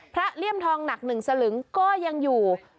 พระเลี่ยมทองหนักหนึ่งสลึงก็ยังอยู่